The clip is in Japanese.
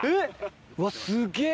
うわすげぇ！